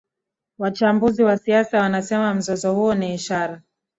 wachambuzi wa siasa wanasema mzozo huo ni ishara